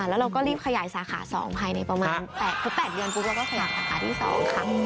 แล้วเราก็รีบขยายสาขาสองภายในประมาณแปดเพราะแปดเดือนปุ๊บเราก็ขยายสาขาที่สองค่ะอืม